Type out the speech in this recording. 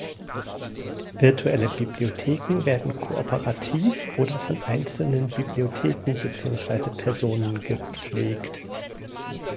Virtuelle Bibliotheken werden kooperativ oder von einzelnen Bibliotheken beziehungsweise Personen gepflegt.